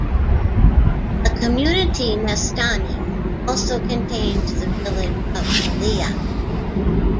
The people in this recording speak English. The community Nestani also contains the village of Milea.